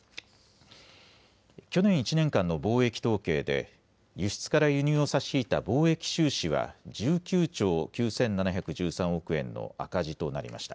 去年１年間の貿易統計で輸出から輸入を差し引いた貿易収支は１９兆９７１３億円の赤字となりました。